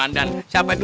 ada apaan sih